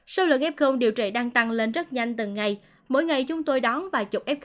số lượng ghép không điều trị đang tăng lên rất nhanh từng ngày mỗi ngày chúng tôi đón vài chục f